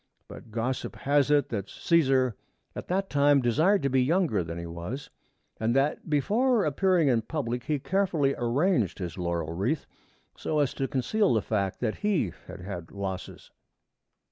But gossip has it that Cæsar at that time desired to be younger than he was, and that before appearing in public he carefully arranged his laurel wreath so as to conceal the fact that he had had losses.